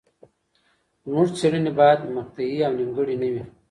زموږ څېړني باید مقطعي او نیمګړي نه وي.